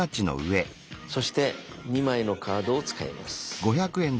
そして２枚のカードを使います。